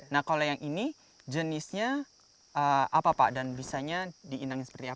nah kalau yang ini jenisnya apa pak dan bisanya diinangin seperti apa